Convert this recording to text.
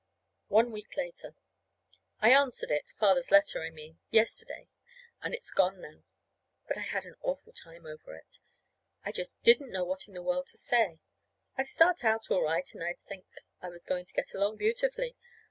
One week later. I answered it Father's letter, I mean yesterday, and it's gone now. But I had an awful time over it. I just didn't know what in the world to say. I'd start out all right, and I'd think I was going to get along beautifully.